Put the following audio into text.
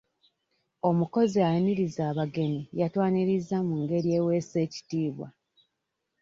Omukozi ayaniriza abagenyi yatwanirizza mu ngeri eweesa ekitiibwa.